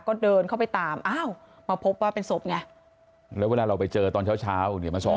ก็เดินเข้าไปตามอ้าวมาพบว่าเป็นศพไงแล้วเวลาเราไปเจอตอนเช้าเช้าเนี่ยมาสอน